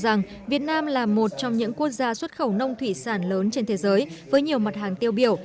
rằng việt nam là một trong những quốc gia xuất khẩu nông thủy sản lớn trên thế giới với nhiều mặt hàng tiêu biểu